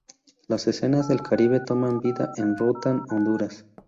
Las escenas del Caribe toman vida en Roatán, Honduras.